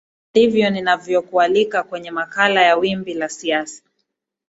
ndivyo ninavyo kualika kwenye makala ya wimbi la siasa